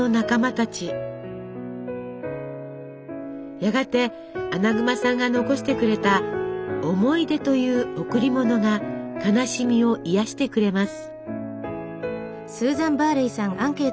やがてアナグマさんが残してくれた思い出という「贈り物」が悲しみを癒やしてくれます。